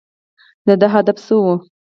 د ده هدف څه و ؟